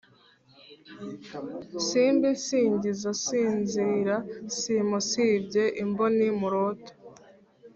Simbi nsingiza nsinzira Simusibye imboni murota